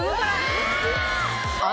うわ！